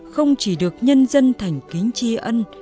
không chỉ được nhân dân thành kính tri ân